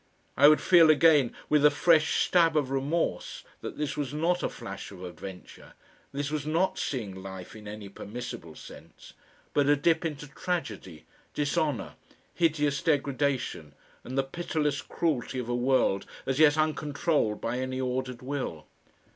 I would feel again with a fresh stab of remorse, that this was not a flash of adventure, this was not seeing life in any permissible sense, but a dip into tragedy, dishonour, hideous degradation, and the pitiless cruelty of a world as yet uncontrolled by any ordered will.